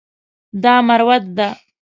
دا مروت ده.